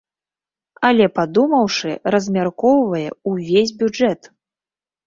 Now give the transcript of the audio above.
Але падумаўшы, размяркоўвае увесь бюджэт!